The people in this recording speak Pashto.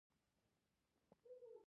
تشویقي پروګرامونو د عملي کېدو مخه نیسي.